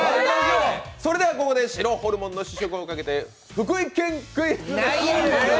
それでは、ここで白ホルモンの試食を懸けて福井県クイズ！